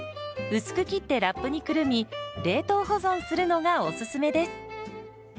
薄く切ってラップにくるみ冷凍保存するのがおすすめです。